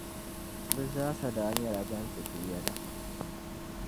Bɛ zaasa daa nyɛla ban ti ti yɛda.